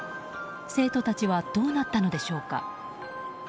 生徒たちはどうなったのでしょうか。